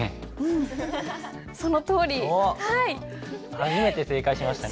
初めて正解しましたね。